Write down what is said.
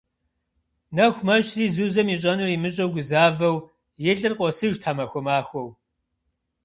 Нэху мэщри, Зузэм ищӏэнур имыщӏэу гузавэу, и лӏыр къосыж тхьэмахуэ махуэу.